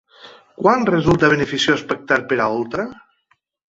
Quan resulta beneficiós pactar per a Oltra?